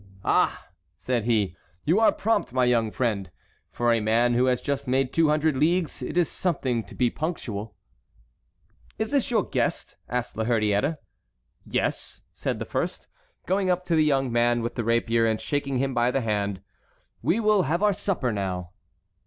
"Ah!" said he, "you are prompt, my young friend. For a man who has just made two hundred leagues it is something to be so punctual." "Is this your guest?" asked La Hurière. "Yes," said the first, going up to the young man with the rapier and shaking him by the hand, "we will have our supper now."